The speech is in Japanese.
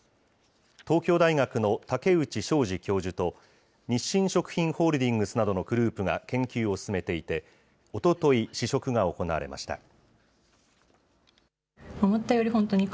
東京大学の竹内昌治教授と、日清食品ホールディングスなどのグループが研究を進めていて、おととい、試食が行われました。